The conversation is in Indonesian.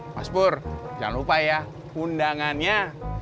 mas bur jangan lupa ya undangannya